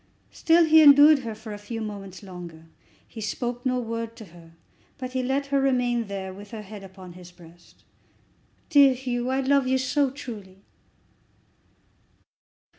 Still he endured her for a few moments longer. He spoke no word to her, but he let her remain there, with her head upon his breast. "Dear Hugh, I love you so truly!"